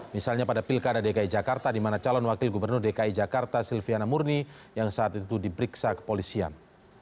misalnya pada pilkada dki jakarta di mana calon wakil gubernur dki jakarta silviana murni yang saat itu diperiksa kepolisian